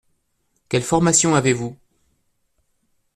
Quelle formation avez-vous ?